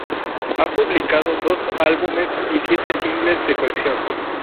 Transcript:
Ha publicado dos álbumes y siete singles de colección.